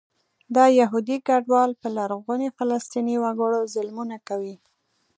دا یهودي کډوال په لرغوني فلسطیني وګړو ظلمونه کوي.